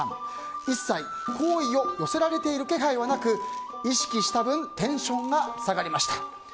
一切、好意を寄せられている気配はなく意識した分テンションが下がりました。